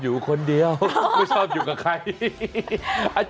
เยี่ยวผู้สาว